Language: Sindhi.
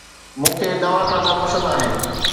مون کي نوان کاڌا پسند آهن